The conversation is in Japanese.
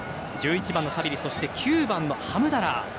１１番のサビリ９番のハムダラー。